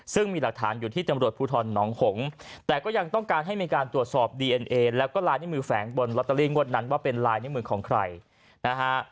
ซึ่งมีหลักฐานอยู่ที่ตำรวจภูทรหนองหงแต่ก็ยังต้องการให้มีการตรวจสอบดีเอ็นเอแล้วก็ลายนิ้วมือแฝงบนลอตเตอรี่งวดนั้นว่าเป็นลายนิ้วมือของใครนะฮะ